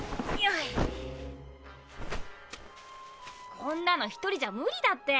こんなの１人じゃ無理だって。